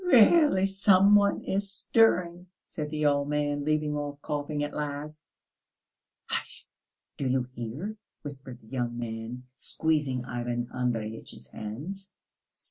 "Really some one is stirring," said the old man, leaving off coughing at last. "Hush! Do you hear?" whispered the young man, squeezing Ivan Andreyitch's hands.